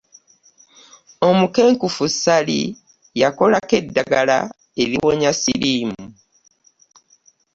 Omukenkufu Ssali yakolako eddagala eriwonya ssiriimu.